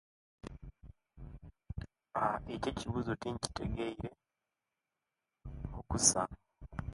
No answer.